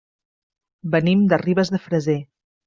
Venim de Ribes de Freser.